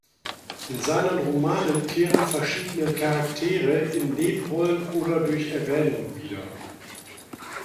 In seinen Romanen kehren verschiedene Charaktere in Nebenrollen oder durch Erwähnungen wieder.